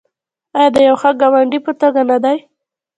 آیا د یو ښه ګاونډي په توګه نه دی؟